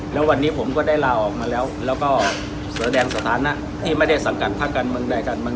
แล้ววันนี้ผมก็ได้ลาออกมาแล้วแล้วก็แสดงสถานะที่ไม่ได้สังกัดภาคการเมืองใดการเมือง